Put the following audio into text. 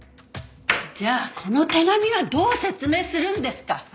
じゃあこの手紙はどう説明するんですか？